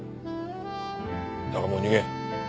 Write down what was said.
だがもう逃げん。